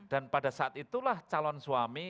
dan pada saat itulah calon suami